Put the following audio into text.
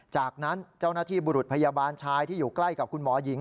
จากนั้นเจ้าหน้าที่บุรุษพยาบาลชายที่อยู่ใกล้กับคุณหมอหญิง